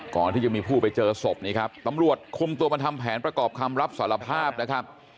ก่อนที่จะมีผู้ไปเจอศพนี้ครับตำรวจคุมตัวมาทำแผนประกอบคำรับสารภาพนะครับ